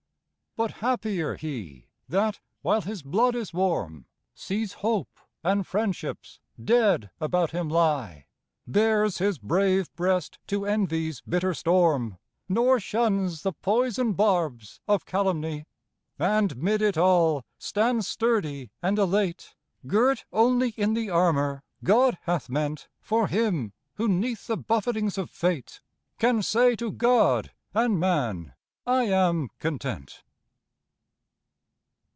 But happier he, that, while his blood is warm, See hopes and friendships dead about him lie Bares his brave breast to envy's bitter storm, Nor shuns the poison barbs of calumny; And 'mid it all, stands sturdy and elate, Girt only in the armor God hath meant For him who 'neath the buffetings of fate Can say to God and man: "I am content."